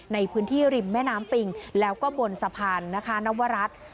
ในพื้นที่ริมแม่น้ำปิงแล้วก็บนสะพานนะคะนวรัฐ